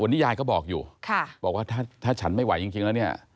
วันนี้ยายก็บอกอยู่บอกว่าถ้าฉันไม่ไหวจริงแล้วเนี่ย